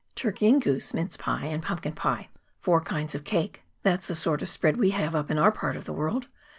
"Turkey and goose, mince pie and pumpkin pie, four kinds of cake; that's the sort of spread we have up in our part of the world.